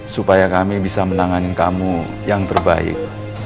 supaya kami bisa menanganin kamu yang terbaik